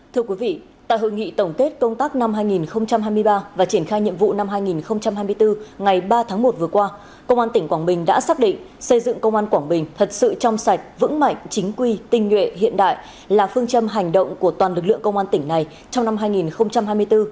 thưa quý vị tại hội nghị tổng kết công tác năm hai nghìn hai mươi ba và triển khai nhiệm vụ năm hai nghìn hai mươi bốn ngày ba tháng một vừa qua công an tỉnh quảng bình đã xác định xây dựng công an quảng bình thật sự trong sạch vững mạnh chính quy tinh nhuệ hiện đại là phương châm hành động của toàn lực lượng công an tỉnh này trong năm hai nghìn hai mươi bốn